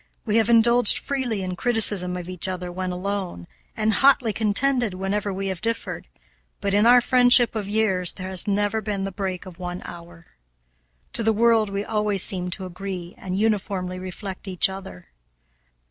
We have indulged freely in criticism of each other when alone, and hotly contended whenever we have differed, but in our friendship of years there has never been the break of one hour. To the world we always seem to agree and uniformly reflect each other.